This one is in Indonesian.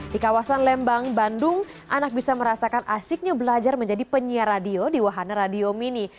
di kawasan lembang bandung anak bisa merasakan asiknya belajar menjadi penyiar radio di wahana radio mini